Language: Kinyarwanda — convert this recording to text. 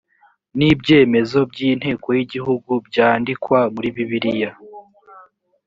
n ibyemezo by inteko y igihugu byandikwa muri bibiliya